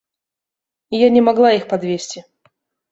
І я не магла іх падвесці.